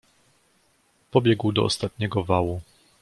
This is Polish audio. "Pobiegł do ostatniego wału."